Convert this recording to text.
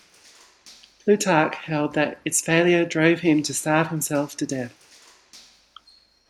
Plutarch held that its failure drove him to starve himself to death.